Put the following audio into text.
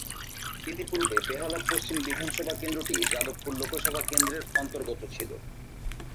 ইতিপূর্বে বেহালা পশ্চিম বিধানসভা কেন্দ্রটি যাদবপুর লোকসভা কেন্দ্রের অন্তর্গত ছিল।